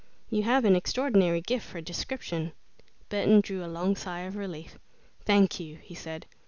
You have an extraordinary gift for description." Burton drew a long sigh of relief. "Thank you," he said.